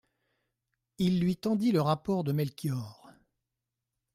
Il lui tendit le rapport de Melchior.